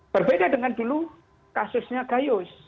berbeda dengan dulu kasusnya gayus